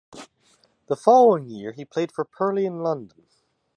The following year, he played for Purley in London.